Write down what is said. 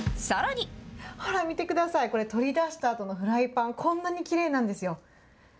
ほら見てください、これ、取り出したあとのフライパン、こんなにきれいなんですよ。